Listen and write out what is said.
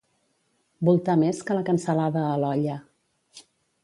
Voltar més que la cansalada a l'olla.